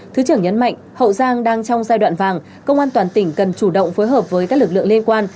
thứ trưởng nhấn mạnh hậu giang đang trong giai đoạn vàng công an toàn tỉnh cần chủ động phối hợp với các lực lượng liên quan